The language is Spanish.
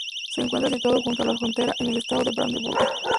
Se encuentra situado junto a la frontera con el estado de Brandeburgo.